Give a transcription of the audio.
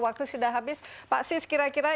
waktu sudah habis pak sis kira kira